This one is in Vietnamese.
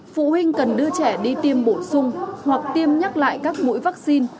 phụ huynh cần đưa trẻ đi tiêm bổ sung hoặc tiêm nhắc lại các mũi vaccine